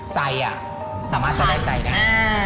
ใจอ่ะสามารถจะได้ใจได้